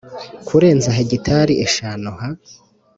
kurenza hegitari eshanu ha